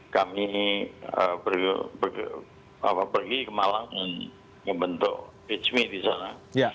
kami pergi ke malang untuk membentuk ismi di sana